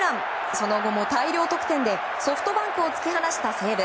その後も大量得点でソフトバンクを突き放した西武。